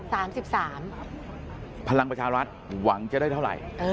๓๓เขตภัลลังประชารัฐหวังจะได้เท่าไหร่